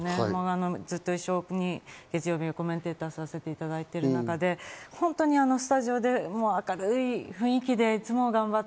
ずっと一緒に月曜日のコメンテーターをさせていただいてる中で、本当にスタジオで明るい雰囲気でいつも頑張っ